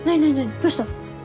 どうした？